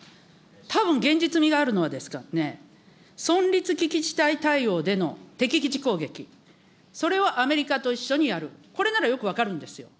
たぶん現実味があるのは、存立危機事態対応での敵基地攻撃、それをアメリカと一緒にやる、これならよく分かるんですよ。